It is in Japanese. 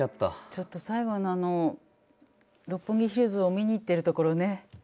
ちょっと最後のあの六本木ヒルズを見に行ってるところね。